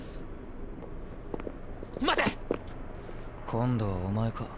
今度はお前か。